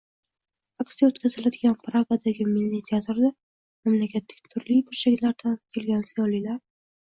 Aksiya o‘tkaziladigan Pragadagi Milliy teatrda mamlakatning turli burchaklaridan kelgan ziyolilar